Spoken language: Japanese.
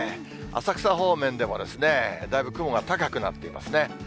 浅草方面でも、だいぶ雲が高くなっていますね。